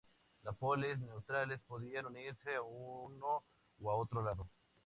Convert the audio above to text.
Las polis neutrales podían unirse a uno u otro lado.